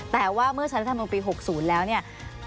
แต่ว่าเมื่อชาติธรรมดาปี๖๐แล้วเนี่ย